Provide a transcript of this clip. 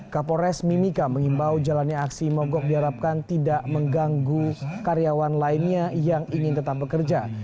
kapolres mimika mengimbau jalannya aksi mogok diharapkan tidak mengganggu karyawan lainnya yang ingin tetap bekerja